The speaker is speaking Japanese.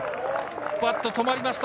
バット、止まりました。